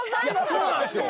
いやそうなんですよ！